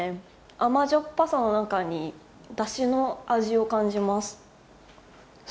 甘じょっぱさの中にだしの味を感じます。